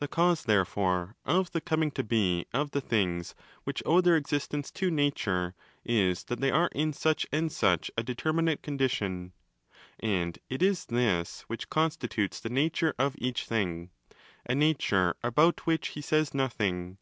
The cause, therefore, of the coming to be of the things which owe their existence to nature is that they are in such and such a determinate condition :* and it is zs which con stitutes the 'nature' of each thing—a 'nature' about which he says nothing.